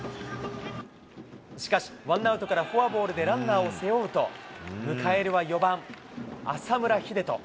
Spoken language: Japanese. しかし、ワンアウトからフォアボールでランナーを背負うと、迎えるは４番浅村栄斗。